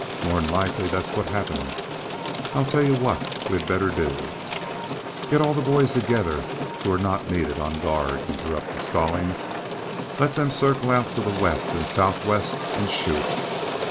"More'n likely that's what happened. I'll tell you what we had better do " "Get all the boys together who are not needed on guard," interrupted Stallings. "Let them circle out to the west and southwest and shoot.